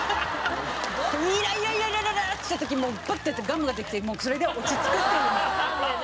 イライライライラ！ってしてる時にバッてやってガムが出てきてそれで落ち着くっていう。